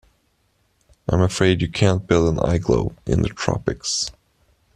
I'm afraid you can't build an igloo in the tropics.